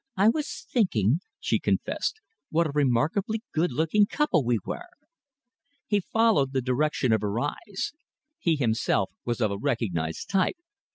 "I was thinking," she confessed, "what a remarkably good looking couple we were." He followed the direction of her eyes. He himself was of a recognised type.